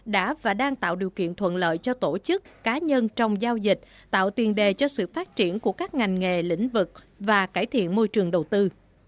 đã và đang tạo điều kiện thuận lợi cho tổ chức cá nhân trong giao dịch tạo tiền đề cho sự phát triển của các ngành nghề lĩnh vực và cải thiện môi trường đầu tư